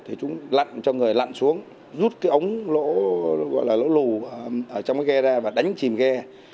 thì chúng lặn cho người lặn xuống rút cái ống lỗ lù trong cái ghe ra và đánh chìm ghe